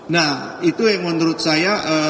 nah itu yang menurut saya